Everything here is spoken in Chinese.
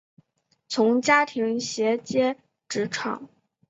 从家庭衔接职场